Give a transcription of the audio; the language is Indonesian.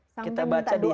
sambil minta doa ya